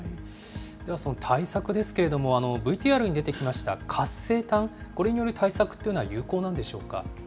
ではその対策ですけれども、ＶＴＲに出てきました活性炭、これによる対策っていうのは有効なんでしょうか。